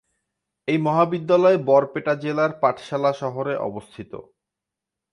এই মহাবিদ্যালয় বরপেটা জেলার পাঠশালা শহরে অবস্থিত।